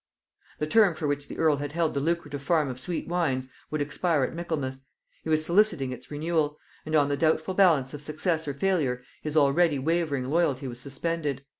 The term for which the earl had held the lucrative farm of sweet wines would expire at Michaelmas; he was soliciting its renewal; and on the doubtful balance of success or failure his already wavering loyalty was suspended.